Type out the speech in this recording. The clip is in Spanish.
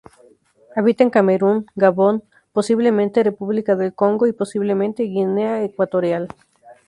Habita en Camerún, Gabón, posiblemente República del Congo y posiblemente Guinea Ecuatorial.